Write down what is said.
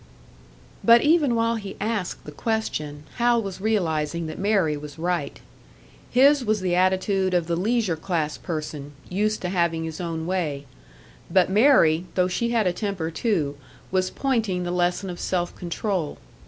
But even while he asked the question, Hal was realising that Mary was right. His was the attitude of the leisure class person, used to having his own way; but Mary, though she had a temper too, was pointing the lesson of self control.